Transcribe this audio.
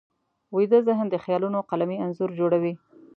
ویده ذهن د خیالونو قلمي انځور جوړوي